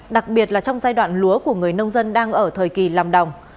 đặc biệt là trong giai đoạn lúa của người nông dân đang ở thời kỳ làm đồng